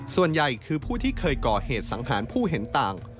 ส่วนใหญ่คือผู้ที่เคยก่อเหตุสังหารผู้เห็นต่าง